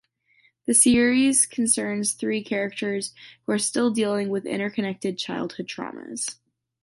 The series concerns three characters who are still dealing with interconnected childhood traumas.